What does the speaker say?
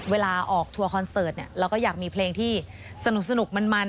เวลาออกทัวร์คอนเสิร์ตเราก็อยากมีเพลงที่สนุกมัน